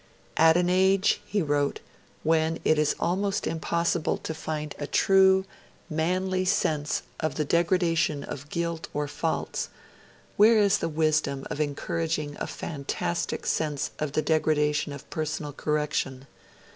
'At an age,' he wrote, 'when it is almost impossible to find a true, manly sense of the degradation of guilt or faults, where is the wisdom of encouraging a fantastic sense of the degradation of personal correction?